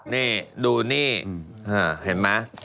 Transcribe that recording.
นี่ดูนี่เห็นไหม